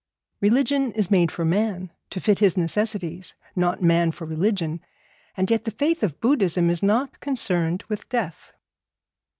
Religion is made for man, to fit his necessities, not man for religion, and yet the faith of Buddhism is not concerned with death.